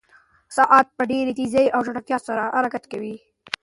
ساعت په ډېرې تېزۍ او چټکتیا سره حرکت کوي.